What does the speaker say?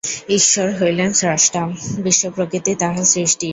ঈশ্বর হইলেন স্রষ্টা, বিশ্বপ্রকৃতি তাঁহার সৃষ্টি।